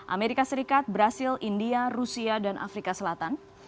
amerika serikat brazil india rusia dan afrika selatan